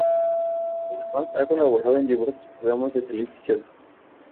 Además, ha colaborado en diversos programas de televisión.